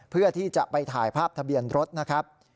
เพื่อที่จะไปถ่ายภาพทะเบียนรถนะครับ